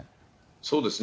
そうですね。